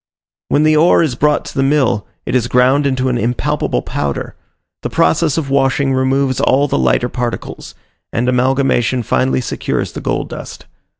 When the ore is brought to the mill, it is ground into an impalpable powder; the process of washing removes all the lighter particles, and amalgamation finally secures the gold dust.